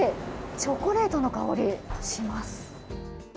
チョコレートの香りします。